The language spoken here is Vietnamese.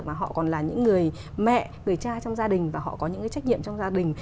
mà họ còn là những người mẹ người cha trong gia đình và họ có những cái trách nhiệm trong gia đình